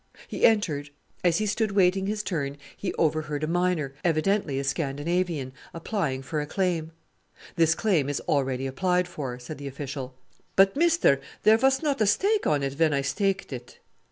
He entered. As he stood waiting his turn he overheard a miner, evidently a Scandinavian, applying for a claim. "This claim is already applied for," said the official. "But, mister, there vos not a stake on it ven I staked it."